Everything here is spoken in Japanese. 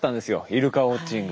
イルカウォッチング。